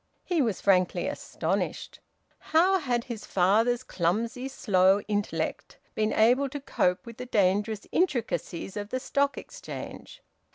He was frankly astonished. How had his father's clumsy, slow intellect been able to cope with the dangerous intricacies of the Stock Exchange?